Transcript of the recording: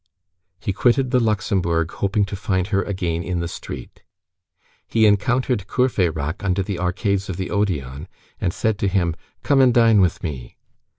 He quitted the Luxembourg, hoping to find her again in the street. He encountered Courfeyrac under the arcades of the Odéon, and said to him: "Come and dine with me."